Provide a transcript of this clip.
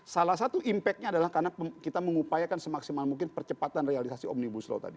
salah satu impactnya adalah karena kita mengupayakan semaksimal mungkin percepatan realisasi omnibus law tadi